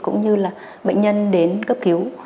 cũng như là bệnh nhân đến cấp cứu